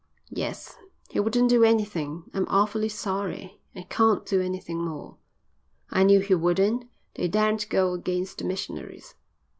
"Yes. He wouldn't do anything. I'm awfully sorry, I can't do anything more." "I knew he wouldn't. They daren't go against the missionaries."